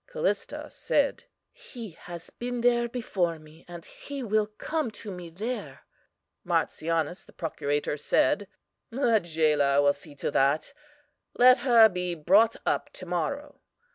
"CALLISTA said: He has been there before me, and He will come to me there. "MARTIANUS, the procurator, said: The jailer will see to that. Let her be brought up to morrow.